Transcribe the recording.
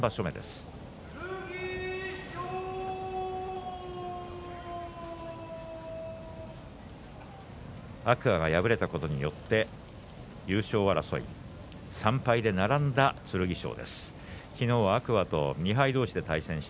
２敗の天空海が敗れたことによって優勝争い、３敗で並んだ剣翔。